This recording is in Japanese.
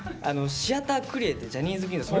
シアタークリエって「ジャニーズ銀座」